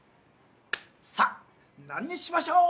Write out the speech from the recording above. さあ何にしましょう？